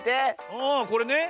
ああこれね。